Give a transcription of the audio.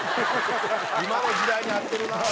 「今の時代に合ってるなあ」